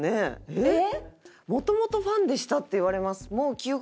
えっ！